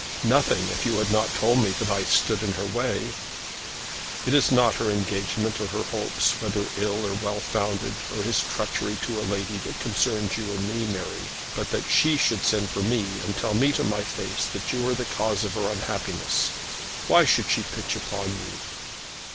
"Nothing, if you had not told me that I stood in her way." "It is not her engagement, or her hopes, whether ill or well founded, or his treachery to a lady, that concerns you and me, Mary; but that she should send for me and tell me to my face that you are the cause of her unhappiness. Why should she pitch upon you?"